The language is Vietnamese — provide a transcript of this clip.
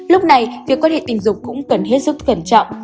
lúc này việc quan hệ tình dục cũng cần hết sức cẩn trọng